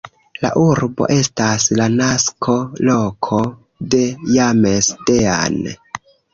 La urbo estas la nasko-loko de James Dean.